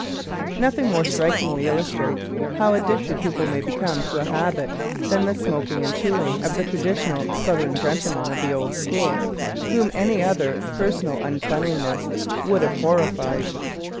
Nothing more strikingly illustrates how addicted people may become to a habit than the smoking and chewing of the traditional Southern gentleman of the old school, whom any other personal uncleanliness would have horrified.